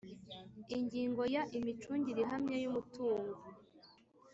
Ingingo ya Imicungire ihamye y umutungo